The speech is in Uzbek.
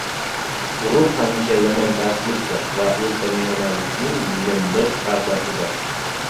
G‘urur hamisha yomon darslikdir va o‘rtamiyonalikning nimdosh pardasidir.